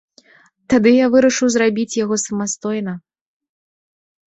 Тады я вырашыў зрабіць яго самастойна.